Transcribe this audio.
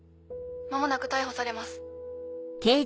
間もなく逮捕されます。